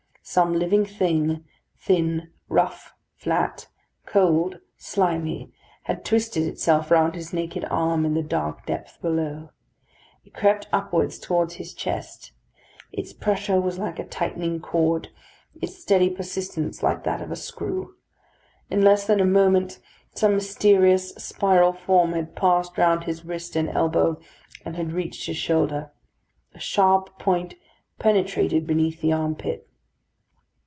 Some living thing, thin, rough, flat, cold, slimy, had twisted itself round his naked arm, in the dark depth below. It crept upward towards his chest. Its pressure was like a tightening cord, its steady persistence like that of a screw. In less than a moment some mysterious spiral form had passed round his wrist and elbow, and had reached his shoulder. A sharp point penetrated beneath the armpit.